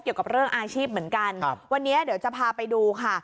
เกี่ยวกับเรื่องอาชีพเหมือนกันครับวันนี้เดี๋ยวจะพาไปดูค่ะ